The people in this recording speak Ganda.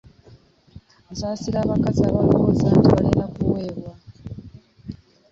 Nsaasira abakazi abalowooza nti balina kuweebwa.